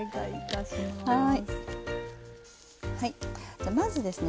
じゃまずですね